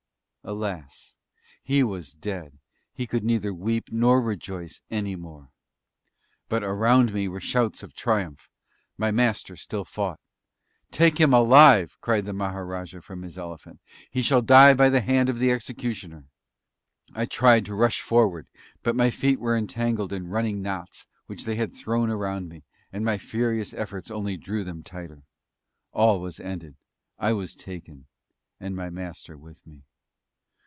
Alas! he was dead; he could neither weep or rejoice any more!... But around me were shouts of triumph. My Master still fought. "Take him alive!" cried the Maharajah from his elephant. "He shall die by the hand of the executioner!" I tried to rush forward but my feet were entangled in running knots which they had thrown around me, and my furious efforts only drew them tighter. All was ended. I was taken; and my Master with me.